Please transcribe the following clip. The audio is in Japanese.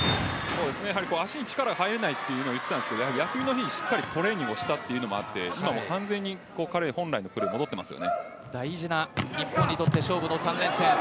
足に力が入らないと言っていたんですが休みの日にしっかりトレーニングしたというのもあって今、完全に彼本来のプレーに大事な日本にとって勝負の３連戦。